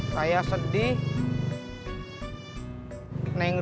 siap sih bang